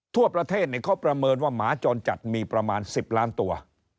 ทั่วประเทศเขาประเมินว่าหมาจรจัดมีประมาณ๑๐ล้านตัว